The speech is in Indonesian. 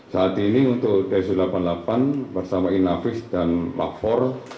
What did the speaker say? saat ini untuk d satu ratus delapan puluh delapan bersama inavis dan papor